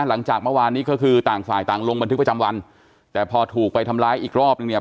หลังจากเมื่อวานนี้ก็คือต่างฝ่ายต่างลงบันทึกประจำวันแต่พอถูกไปทำร้ายอีกรอบนึงเนี่ย